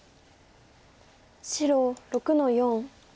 白６の四。